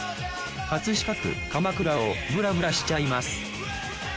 飾区鎌倉をブラブラしちゃいます。